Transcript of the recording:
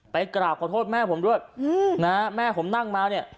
กราบขอโทษแม่ผมด้วยนะฮะแม่ผมนั่งมาเนี่ย